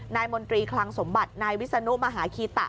มนตรีคลังสมบัตินายวิศนุมหาคีตะ